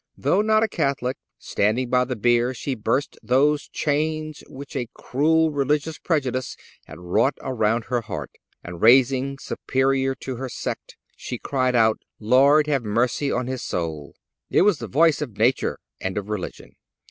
Though not a Catholic, standing by the bier she burst those chains which a cruel religious prejudice had wrought around her heart, and, rising superior to her sect, she cried out: Lord, have mercy on his soul. It was the voice of nature and of religion.